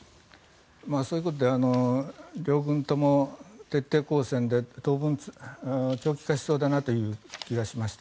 そういうことで両軍とも徹底抗戦で当分、長期化しそうだなという気がしました。